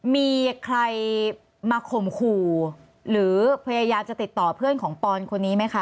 มีใครมาข่มขู่หรือพยายามจะติดต่อเพื่อนของปอนคนนี้ไหมคะ